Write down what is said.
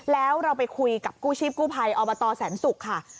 แล้วเราไปคุยกับกู้ชีพกู้ภัยอบตแสนศุกร์ค่ะ